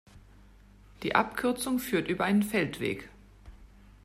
Die Abkürzung führt über einen Feldweg.